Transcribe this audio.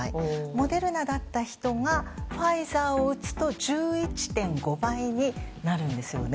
モデルナだった人がファイザーを打つと１１．５倍になるんですよね。